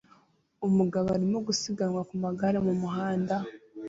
Umugabo arimo gusiganwa ku magare mu muhanda